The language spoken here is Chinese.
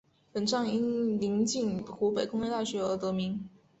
本站因临近湖北工业大学而得名。